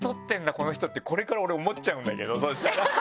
この人ってこれから俺思っちゃうんだけどそしたら。